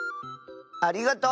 ありがとう。